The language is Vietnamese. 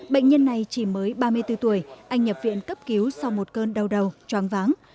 bệnh nhân này chỉ mới ba mươi bốn tuổi anh nhập viện cấp cứu sau một cơn đau đầu choáng váng